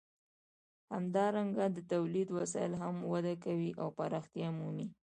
همدارنګه د تولید وسایل هم وده کوي او پراختیا مومي.